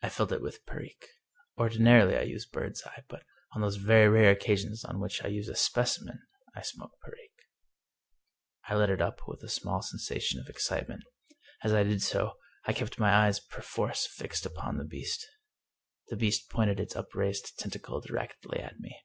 I filled it with Perique. Ordinarily I use Birdseye, but on those very rare occasions on which I use a specimen I smoke Perique. I lit up with quite a small sensation of excitement. As I did so I kept my eyes perforce fixed upon the beast. The beast pointed its upraised tentacle directly at me.